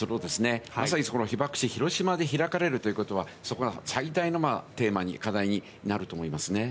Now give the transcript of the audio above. まさに被爆地の広島で開かれるということは最大のテーマ、課題になると思いますね。